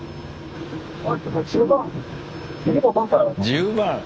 １０万！